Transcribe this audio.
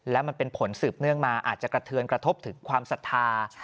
แล้วมันเป็นผลสืบเนื่องมาอาจจะกระเทือนกระทบถึงความศรัทธา